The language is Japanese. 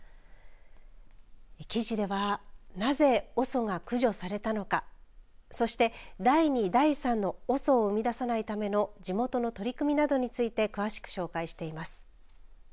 記事ではなぜＯＳＯが駆除されたのかそして第２第３のＯＳＯを生み出さないための地元の取り組みなどについて詳しく紹介しています。